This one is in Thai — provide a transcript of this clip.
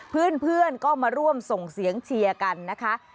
เพื่อนก็มาร่วมส่งเสียงเชียร์กันนะคะ